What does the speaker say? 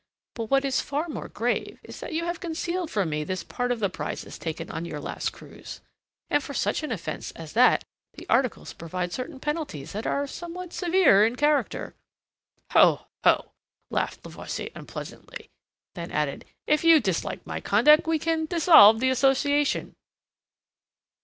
But what is far more grave is that you have concealed from me this part of the prizes taken on your last cruise, and for such an offence as that the articles provide certain penalties that are something severe in character." "Ho, ho!" laughed Levasseur unpleasantly. Then added: "If you dislike my conduct we can dissolve the association."